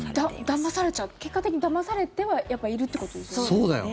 だまされちゃう結果的に、だまされてはいるということですよね。